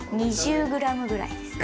２０ｇぐらいです。